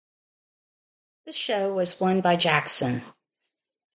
This show was won by Jackson.